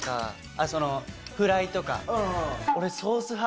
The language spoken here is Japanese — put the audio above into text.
あっそのフライとか。